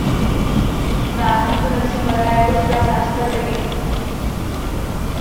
Nám to nepřipadá jako správná strategie.